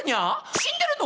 死んでるの？